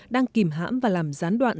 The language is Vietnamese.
đang kìm hãm và làm gián đoạn